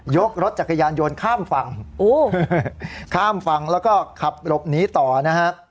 รถจักรยานยนต์ข้ามฝั่งข้ามฝั่งแล้วก็ขับหลบหนีต่อนะฮะ